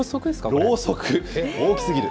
ろうそく、大きすぎる。